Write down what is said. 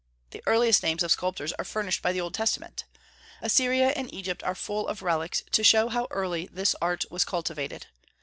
The earliest names of sculptors are furnished by the Old Testament. Assyria and Egypt are full of relics to show how early this art was cultivated.